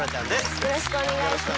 よろしくお願いします。